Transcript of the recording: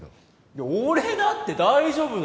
いや俺だって大丈夫だよ！